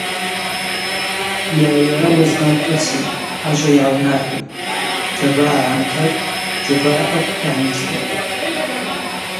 Йара-йара уазхъвыцырквын, ажва йгӏаунахӏвитӏ: джьабагӏа – гӏамтакӏ джьабара акӏвпӏ йгӏаныцӏуа.